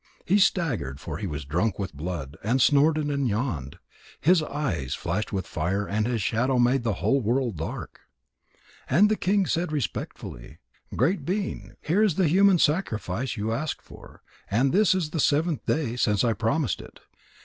He staggered, for he was drunk with blood, and snorted and yawned. His eyes flashed fire and his shadow made the whole world dark. And the king said respectfully: "Great being, here is the human sacrifice you asked for, and this is the seventh day since I promised it.